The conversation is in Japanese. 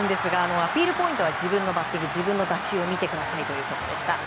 アピールポイントは自分のバッティング自分の打球を見てくださいということでした。